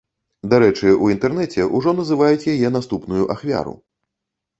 Дарэчы, у інтэрнэце ўжо называюць яе наступную ахвяру.